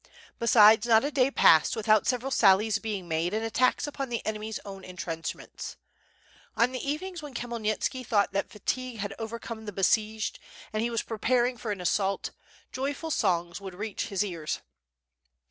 Besides, not a day passed without several sallies being made and attacks upon the enemy's own en trenchments. On the evenings when Khmyelnitski thought that fatigue had overcome the besieged, and he was preparing for an assault, joyful songs would reach his ears.